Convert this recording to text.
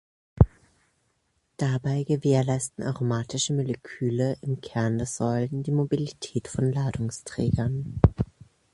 Dabei gewährleisten aromatische Moleküle im Kern der Säulen die Mobilität von Ladungsträgern.